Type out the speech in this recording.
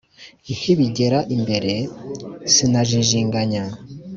Nkibigera imbere sinajijinganya,